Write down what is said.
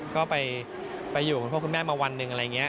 ก็ไปอยู่คุณพ่อคุณแม่มาวันหนึ่งอะไรอย่างนี้